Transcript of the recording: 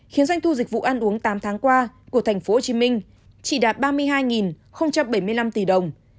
khiến doanh thu dịch vụ ăn uống tám tháng qua của tp hcm chỉ đạt ba mươi hai bảy mươi năm tỷ đồng